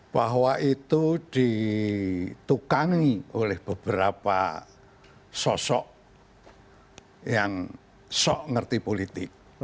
bahwa itu ditukangi oleh beberapa sosok yang sok ngerti politik